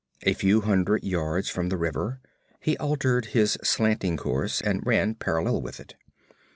A few hundred yards from the river, he altered his slanting course and ran parallel with it.